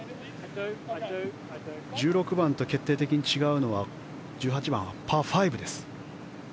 １６番と決定的に違うのは１８番はパー５です。